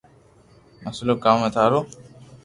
مسلو ڪاو ھي ٿارو